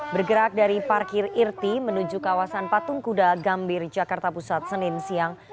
bergerak dari parkir irti menuju kawasan patung kuda gambir jakarta pusat senin siang